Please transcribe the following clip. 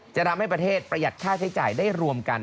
จะทำให้ประเทศประหยัดค่าใช้จ่ายได้รวมกัน